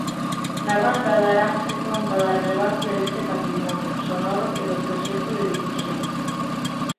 Na rolda daranse conta da relevancia deste patrimonio sonoro e do proxecto de difusión.